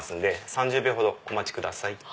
３０秒ほどお待ちください。